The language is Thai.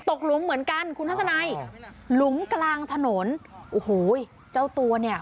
หลุมเหมือนกันคุณทัศนัยหลุมกลางถนนโอ้โหเจ้าตัวเนี่ย